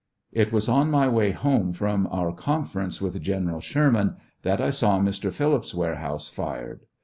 It was on my way home from our conference with General Sherman that I saw Mr. Phillips' warehouse fired.